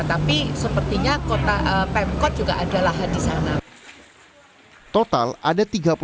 tapi sepertinya kota pemkot juga ada lahan di sana